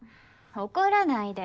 怒らないで。